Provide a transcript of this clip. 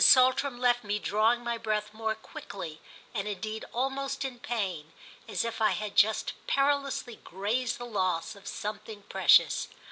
SALTRAM left me drawing my breath more quickly and indeed almost in pain—as if I had just perilously grazed the loss of something precious.